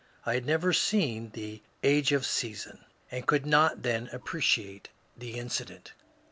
I had never seen the *^ Age of Reason " and could not then appreciate the inci dent.